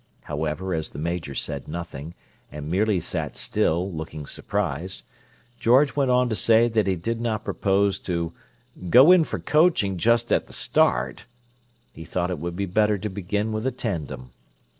However, as the Major said nothing, and merely sat still, looking surprised, George went on to say that he did not propose to "go in for coaching just at the start"; he thought it would be better to begin with a tandem.